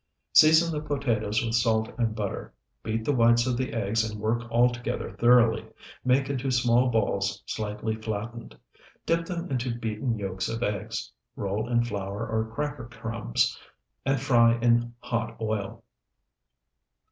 Season the potatoes with salt and butter. Beat the whites of the eggs and work all together thoroughly. Make into small balls slightly flattened. Dip them into beaten yolks of eggs, roll in flour or cracker crumbs, and fry in hot oil.